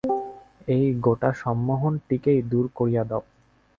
এই গোটা সম্মোহনটিকেই দূর করিয়া দাও।